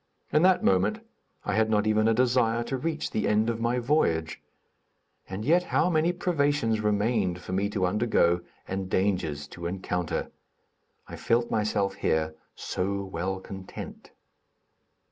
In that moment I had not even a desire to reach the end of my voyage and yet, how many privations remained for me to undergo, and dangers to encounter! I felt myself here so well content!